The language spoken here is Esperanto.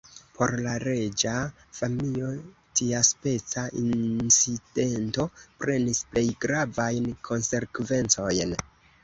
Por la reĝa familio, tiaspeca incidento prenis plej gravajn konsekvencojn.